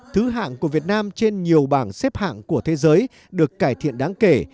thứ hạng của việt nam trên nhiều bảng xếp hạng của thế giới được cải thiện đáng kể